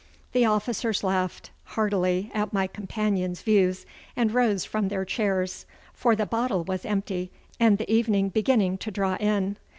The officers laughed heartily at my companion's views, and rose from their chairs, for the bottle was empty and the evening beginning to draw in.